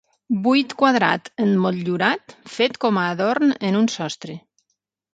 Buit quadrat emmotllurat fet com a adorn en un sostre.